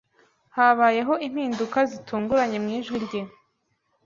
Habayeho impinduka zitunguranye mu ijwi rye.